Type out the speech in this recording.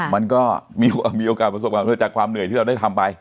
มันก็มีโอกาสประสบความเรินจากความเหนื่อยที่เราได้ทำไป